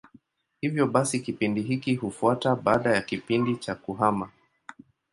Hivyo basi kipindi hiki hufuata baada ya kipindi cha kuhama.